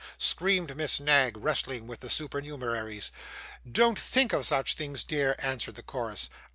screamed Miss Knag, wrestling with the supernumeraries. 'Don't think of such things, dear,' answered the chorus.